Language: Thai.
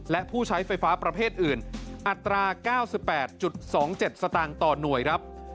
และผู้ใช้ไฟฟ้าประเภทอื่นอัตรา๙๘๒๗สตางค์ต่อหน่วยครับ